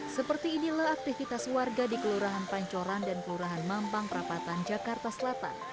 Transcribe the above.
seperti inilah aktivitas warga di kelurahan pancoran dan kelurahan mampang perapatan jakarta selatan